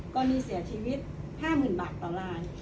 กรณีเสียชีวิต๕๐๐๐บาทต่อลาย